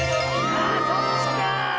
あそっちか！